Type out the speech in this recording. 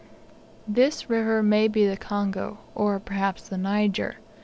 This river may be the Congo, or, perhaps, the Niger.